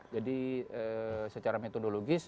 jadi secara metodologis